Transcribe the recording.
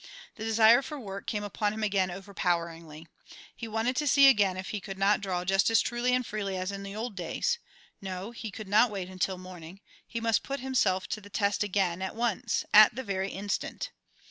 The desire for work came upon him again overpoweringly. He wanted to see again if he could not draw just as truly and freely as in the old days. No, he could not wait till morning; he must put himself to the test again at once, at the very instant.